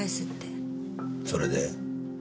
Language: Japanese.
それで？